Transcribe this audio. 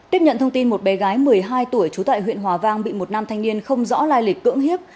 tiếp nhận thông tin một bé gái một mươi hai tuổi trú tại huyện hòa vang bị một nam thanh niên không rõ lai lịp cưỡng hiếp